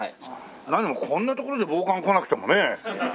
何もこんな所で暴漢来なくてもね。